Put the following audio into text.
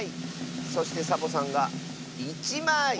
そしてサボさんが１まい！